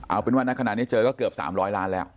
เอาเป็นว่าณขณะนี้เจอก็เกือบ๓๐๐ล้านแล้ว